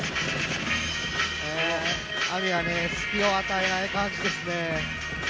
ＡＭＩは隙を与えない感じですね。